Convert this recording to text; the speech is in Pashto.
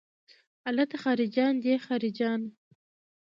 الته خارجيان دي خارجيان.